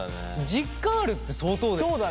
実感あるって相当だよね。